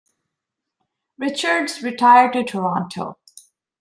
Richards retired to Toronto.